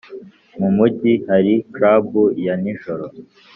mu mujyi hari club ya nijoro?